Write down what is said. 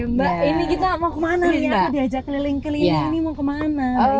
oke mbak ini kita mau kemana nih ya apa diajak keliling keliling ini mau kemana